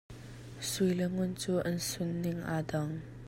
Sui le ngun cu an sun ning aa dang.